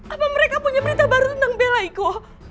apa mereka punya berita baru tentang bella iko